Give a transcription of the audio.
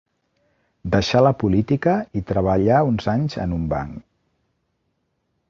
Deixà la política i treballà uns anys en un banc.